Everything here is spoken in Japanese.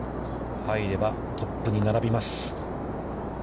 入ればトップに並びます。